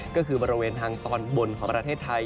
ก็คือบริเวณทางตอนบนของประเทศไทย